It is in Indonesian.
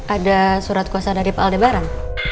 ada surat kuasa dari pak aldebaran